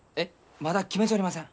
まだ決めちょりません。